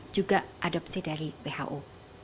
juga adopsi dari who